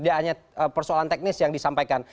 tidak hanya persoalan teknis yang disampaikan